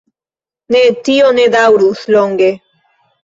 Ne, tio ne daŭrus longe.